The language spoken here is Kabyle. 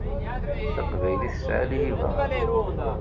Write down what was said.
Taqbaylit tesɛa lhiba.